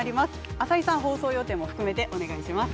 浅井さん、放送予定も含めてお願いします。